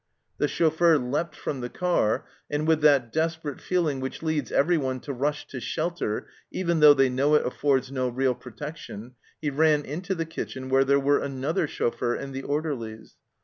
The chauffeur leapt from the car, and with that desperate feeling which leads every one to rush to shelter, even though they know it affords no real protection, he ran into the kitchen, where were another chauffeur and the orderlies.